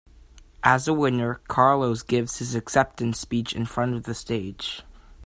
As a winner, Carlos give his acceptance speech in front of the stage.